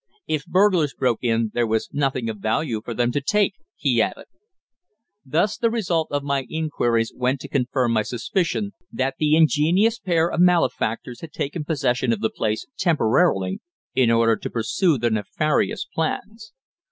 If burglars broke in, there was nothing of value for them to take, he added. Thus the result of my inquiries went to confirm my suspicion that the ingenious pair of malefactors had taken possession of the place temporarily, in order to pursue their nefarious plans.